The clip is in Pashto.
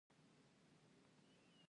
کرنه باید پرمختللې شي